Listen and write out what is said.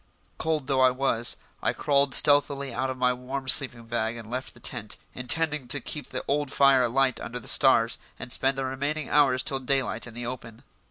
Cold though it was, I crawled stealthily out of my warm sleeping bag and left the tent, intending to keep the old fire alight under the stars and spend the remaining hours till daylight in the open.